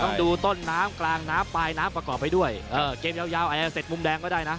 ต้องดูต้นน้ำกลางน้ำปลายน้ำประกอบไปด้วยเออเกมยาวอาจจะเสร็จมุมแดงก็ได้นะ